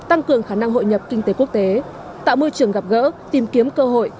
tăng cường khả năng hội nhập kinh tế quốc tế tạo môi trường gặp gỡ tìm kiếm cơ hội